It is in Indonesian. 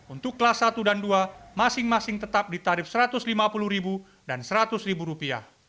untuk kelas satu dan dua masing masing tetap di tarif rp satu ratus lima puluh dan rp seratus